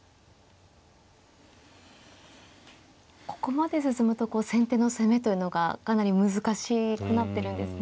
ここまで進むと先手の攻めというのがかなり難しくなってるんですね。